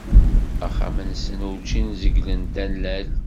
Axxam-nsen, urǧin zegglen tanalt.